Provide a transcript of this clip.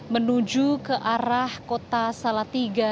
menuju ke arah kota salatiga